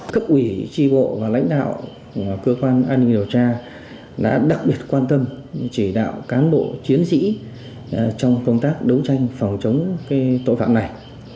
cấp ủy tri bộ và lãnh đạo cơ quan an ninh điều tra đã đặc biệt quan tâm chỉ đạo cán bộ chiến sĩ trong công tác đấu tranh phòng chống tội phạm này